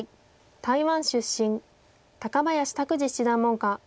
台湾出身。高林拓二七段門下。